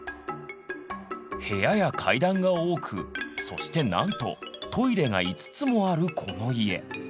部屋や階段が多くそしてなんとトイレが５つもあるこの家。